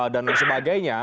dan lain sebagainya